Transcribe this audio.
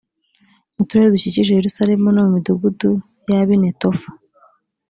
mu turere dukikije yerusalemu no mu midugudu y ab i netofa